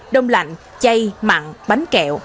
đông lạnh chay mặn bánh kẹo